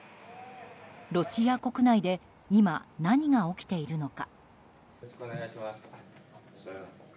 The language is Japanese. ロシア国内で今、何が起きているのか。